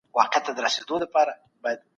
د فرصتونو پیژندل یو ځانګړی مهارت دی.